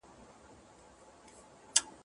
ایا څېړنه د علمي اصولو غوښتنه کوي؟